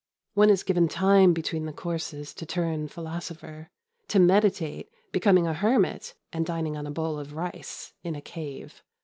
One is given time between the courses to turn philosopher to meditate becoming a hermit and dining on a bowl of rice in a cave.